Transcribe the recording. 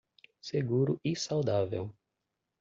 Seguro e saudável